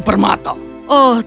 seperti emas atau permata